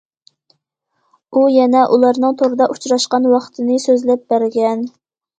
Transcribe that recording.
ئۇ يەنە ئۇلارنىڭ توردا ئۇچراشقان ۋاقتىنى سۆزلەپ بەرگەن.